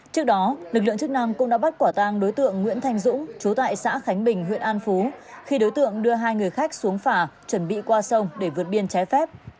trước đó lực lượng chức năng cũng đã bắt quả tang đối tượng nguyễn thanh dũng chú tại xã khánh bình huyện an phú khi đối tượng đưa hai người khách xuống phà chuẩn bị qua sông để vượt biên trái phép